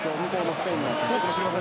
スペイン。